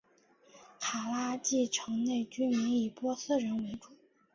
卡拉季城内居民以波斯人为主。